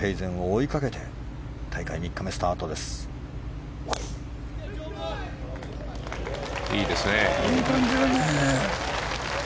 いい感じだね。